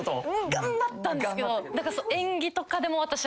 頑張ったんですけど。